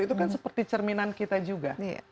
itu kan seperti cerminan kita juga